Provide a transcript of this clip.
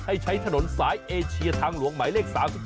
ให้ใช้ถนนสายเอเชียทางหลวงหมายเลข๓๒